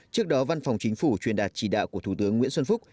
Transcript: trước đó văn phòng chính phủ truyền đạt chỉ đạo của thủ tướng nguyễn xuân phúc